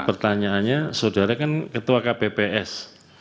pertanyaannya saudara kan ketua kpps